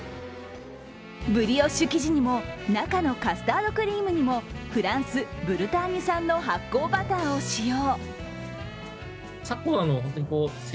ブリオッシュ生地にも中のカスタードクリームにもフランス・ブルターニュ産の発酵バターを使用。